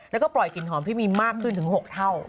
แล้วก็ปล่อยกลิ่นหอมที่มีมากขึ้นถึง๖เท่า